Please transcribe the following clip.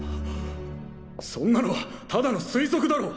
そんなのはただの推測だろ！